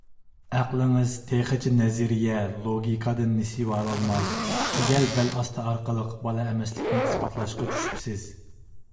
ئەقلىڭىز تېخىچە نەزىرىيە، لوگىكادىن نېسىۋە ئالالماي، تۈگەل بەل ئاستى ئارقىلىق بالا ئەمەسلىكنى ئىسپاتلاشقا چۈشۈپسىز.